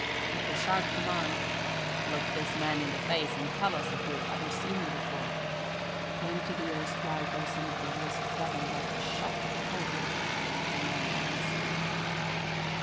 But the sharp command, "Look this man in the face and tell us if you have ever seen him before," came to the erstwhile boatswain of the Rose of Devon like the shock of cold water to a man lying asleep.